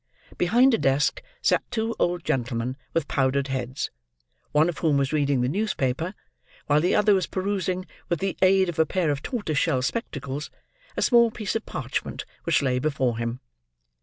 Behind a desk, sat two old gentleman with powdered heads: one of whom was reading the newspaper; while the other was perusing, with the aid of a pair of tortoise shell spectacles, a small piece of parchment which lay before him.